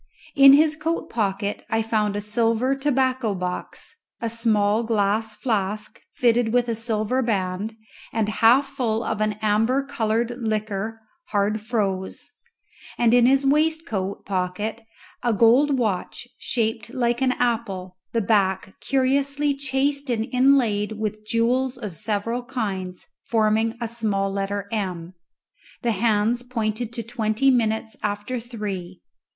In his coat pocket I found a silver tobacco box, a small glass flask fitted with a silver band and half full of an amber coloured liquor, hard froze; and in his waistcoat pocket a gold watch, shaped like an apple, the back curiously chased and inlaid with jewels of several kinds, forming a small letter M. The hands pointed to twenty minutes after three.